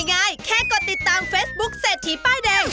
ง่ายก็กดติดตามเฟซบุ๊คเสกทีป้ายเด่ง